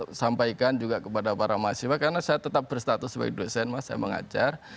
saya sampaikan juga kepada para mahasiswa karena saya tetap berstatus sebagai dosen saya mengajar